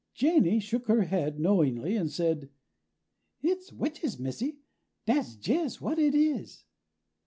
Janey shook her head knowingly and said, "It's witches, Missy, dat's jes what it is."